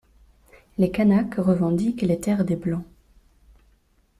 Les kanaks revendiquent les terres des Blancs.